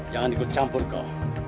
jangan ikut campur kau